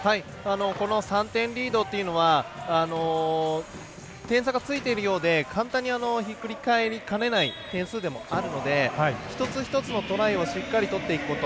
３点リードというのは点差がついているようで簡単にひっくり返りかねない点数でもあるので一つ一つのトライをしっかり取っていくこと。